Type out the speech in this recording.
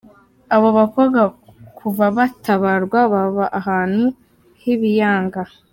Abo bakobwa kuva batabarwa baba ahantu h'ibianga.